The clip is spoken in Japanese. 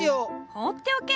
放っておけ。